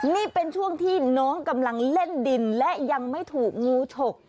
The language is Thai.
นี่เป็นช่วงที่น้องกำลังเล่นดินและยังไม่ถูกงูฉก